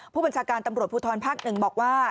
ผู้บัญชาการตำรวจภูทรภาค๑บอกว่า